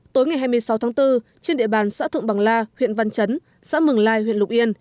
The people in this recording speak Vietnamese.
tối ngày hai mươi sáu tháng bốn trên địa bàn xã thượng bằng la huyện văn chấn xã mừng lai huyện lục yên